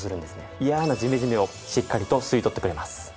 いやなジメジメをしっかりと吸い取ってくれます。